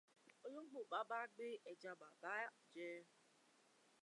Olóńgbò bàbah gbé ẹja bàbá jẹ.